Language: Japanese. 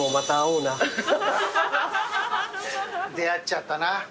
出会っちゃったな。